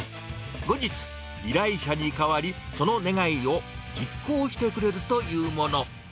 後日、依頼者に代わり、その願いを実行してくれるというもの。